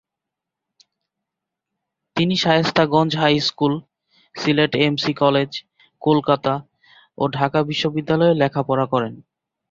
তিনি Shaistaganj high school, Sylhet M C college, Kolkata ও ঢাকা বিশ্ববিদ্যালয়ে লেখাপড়া করেন।